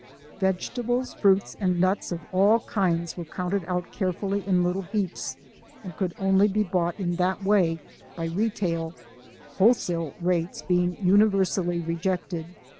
Vegetables, fruits, and nuts of all kinds were counted out care fully in little heaps, and could only be bought in that way, by retail, wholesale rates being universally re jected.